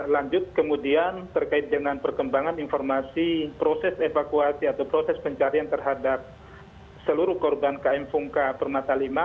lanjut kemudian terkait dengan perkembangan informasi proses evakuasi atau proses pencarian terhadap seluruh korban km fungka permata v